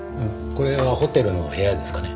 これはホテルの部屋ですかね？